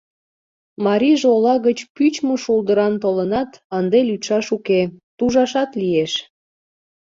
Марийже ола гыч пӱчмӧ шулдыран толынат, ынде лӱдшаш уке, тужашат лиеш.